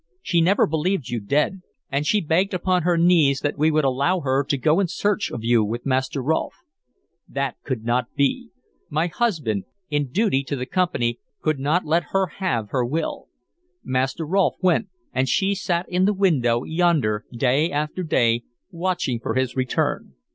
She never believed you dead, and she begged upon her knees that we would allow her to go in search of you with Master Rolfe. That could not be; my husband, in duty to the Company, could not let her have her will. Master Rolfe went, and she sat in the window, yonder, day after day, watching for his return.